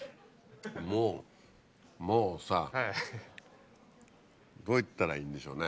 もうもうさどう言ったらいいんでしょうね。